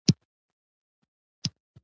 امبولانسونو نارې وهلې.